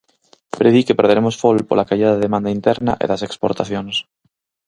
Predí que perderemos fol pola caída da demanda interna e das exportacións.